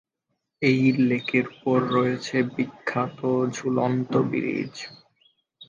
এই লেকের উপর রয়েছে বিখ্যাত ঝুলন্ত ব্রীজ।